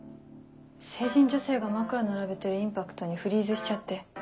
成人女性が枕並べてるインパクトにフリーズしちゃって。